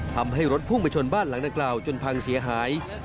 ทำให้รถพุ่งไปชนบ้านหลังดังกล่าวจนพังเสียหาย